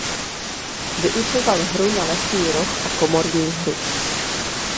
Vyučoval hru na lesní roh a komorní hru.